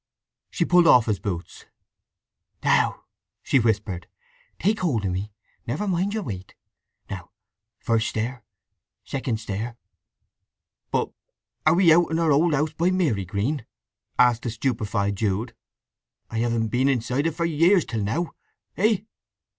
She pulled off his boots. "Now," she whispered, "take hold of me—never mind your weight. Now—first stair, second stair—" "But—are we out in our old house by Marygreen?" asked the stupefied Jude. "I haven't been inside it for years till now! Hey?